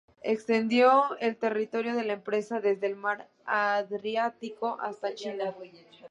Extendió el territorio de la empresa desde el Mar Adriático hasta China.